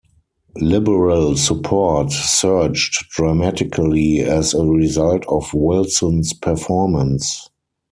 Liberal support surged dramatically as a result of Wilson's performance.